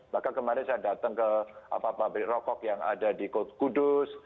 maka kemarin saya datang ke pabrik rokok yang ada di kudus